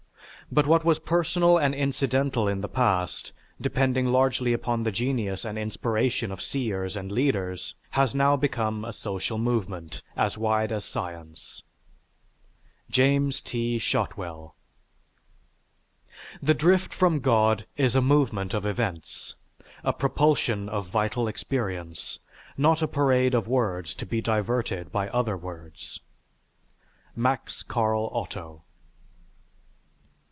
But what was personal and incidental in the past, depending largely upon the genius and inspiration of seers and leaders, has now become a social movement, as wide as science_. JAMES T. SHOTWELL. _The drift from God is a movement of events, a propulsion of vital experience, not a parade of words to be diverted by other words_. MAX CARL OTTO.